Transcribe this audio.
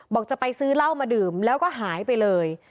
บอกจะไปซื้อเหล้ามาดื่มแล้วก็หายไปเลย